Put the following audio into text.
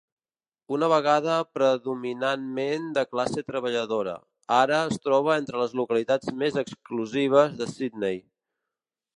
Una vegada predominantment de classe treballadora, ara es troba entre les localitats més exclusives de Sydney.